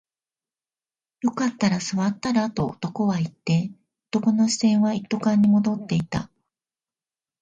よかったら座ったらと男は言って、男の視線は一斗缶に戻っていた